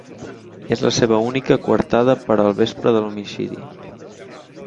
És la seva única coartada per al vespre de l'homicidi.